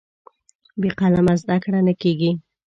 بې قلمه زده کړه نه کېږي.